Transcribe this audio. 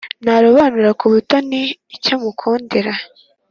Ntarobanura kubutoni icyo mukundira